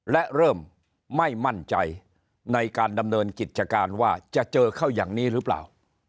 และเริ่มไม่มั่นใจในการดำเนินกิจการว่าจะเจอเข้าอย่างนี้หรือเปล่า